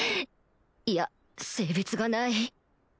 いや性別がない